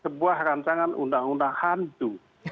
sebuah rancangan undang undang hantu